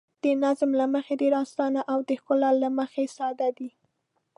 د نظم له مخې ډېر اسانه او د ښکلا له مخې ساده دي.